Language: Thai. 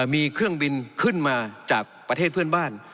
มีเครื่องบินขึ้นมาจากประเทศเพื่อนบ้าน